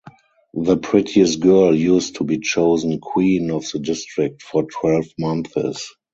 The prettiest girl used to be chosen Queen of the district for twelve months.